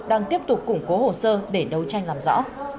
đang tiếp tục củng cố hồ sơ để đấu tranh làm rõ